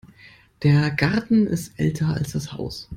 Der Garten ist älter als das Haus.